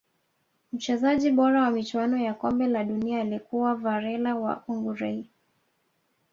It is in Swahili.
mchezaji bora wa michuano ya kombe la dunia alikuwa varela wa Uruguay